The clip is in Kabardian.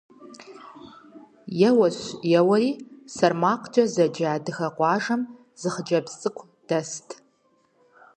Еуэщ-еуэри СэрмакъкӀэ зэджэ адыгэ къуажэм зы хъыджэбз цӀыкӀу дэст.